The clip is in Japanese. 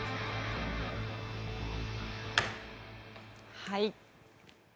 はい。